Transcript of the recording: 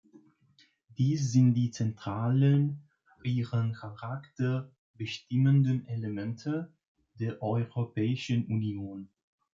Dies sind die zentralen, ihren Charakter bestimmenden Elemente der Europäischen Union.